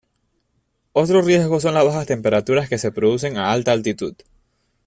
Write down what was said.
Otro riesgo son las bajas temperaturas que se producen a alta altitud.